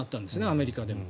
アメリカでも。